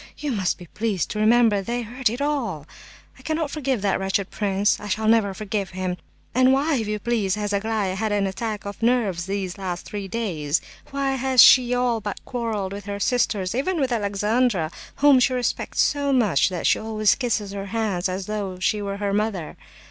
You must be pleased to remember they heard it all. I cannot forgive that wretched prince. I never shall forgive him! And why, if you please, has Aglaya had an attack of nerves for these last three days? Why has she all but quarrelled with her sisters, even with Alexandra—whom she respects so much that she always kisses her hands as though she were her mother?